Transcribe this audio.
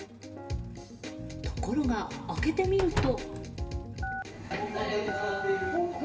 ところが、開けてみると。